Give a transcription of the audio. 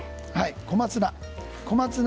小松菜。